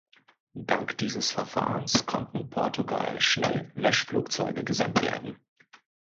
Dank dieses Verfahrens konnten Portugal schnell Löschflugzeuge gesandt werden.